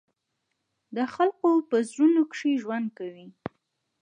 د خلقو پۀ زړونو کښې ژوند کوي،